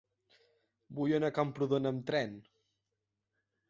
Vull anar a Camprodon amb tren.